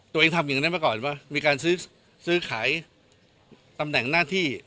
ตัวเองทำอย่างนั้นมาก่อนว่ามีการซื้อขายตำแหน่งหน้าที่